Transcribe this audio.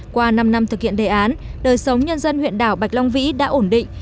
qua năm năm thực hiện đề án đời sống nhân dân huyện đảo bạch long vĩ đã ổn định